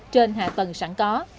trên hạ tầng sẵn có